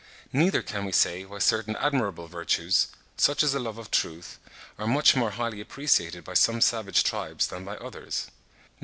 Neither can we say why certain admirable virtues, such as the love of truth, are much more highly appreciated by some savage tribes than by others (43.